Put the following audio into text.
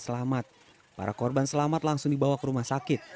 kecamatan bila barat dibawa ke rumah sakit